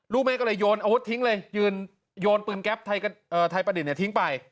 แม่ก็เลยโยนอาวุธทิ้งเลยโยนปืนแก๊ปไทยประดิษฐ์ทิ้งไป